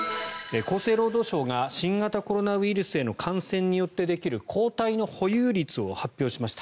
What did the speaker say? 厚生労働省が新型コロナウイルスへの感染によってできる抗体の保有率を発表しました。